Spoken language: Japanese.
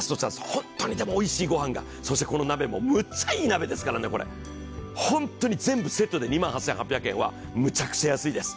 本当においしい御飯が、そしてこの鍋もむっちゃいい鍋ですのでね、本当に全部セットで２万８８００円はむっちゃ安いです。